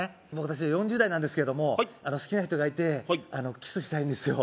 私４０代なんですけれども好きな人がいてキスしたいんですよ